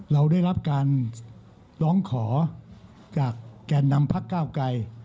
เราก็ร้องขอจากแก่นดำภาคเก้าไกร